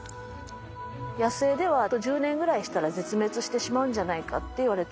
野生ではあと１０年ぐらいしたら絶滅してしまうんじゃないかっていわれてる。